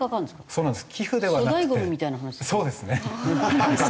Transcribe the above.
そうなんです。